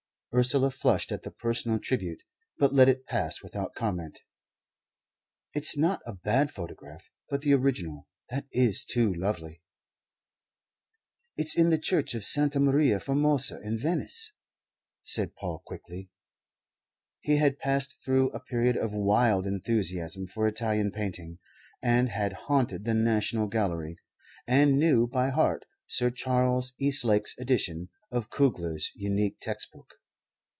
Ursula flushed at the personal tribute, but let it pass without comment. "It's not a bad photograph; but the original that is too lovely." "It's in the Church of Santa Maria Formosa in Venice," said Paul quickly. He had passed through a period of wild enthusiasm for Italian painting, and had haunted the National Gallery, and knew by heart Sir Charles Eastlake's edition of Kugler's unique textbook.